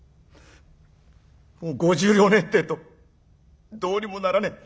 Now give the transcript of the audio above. もう５０両ねえってえとどうにもならねえ」。